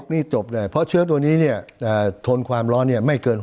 นี่จบเลยเพราะเชื้อตัวนี้เนี่ยทนความร้อนเนี่ยไม่เกิน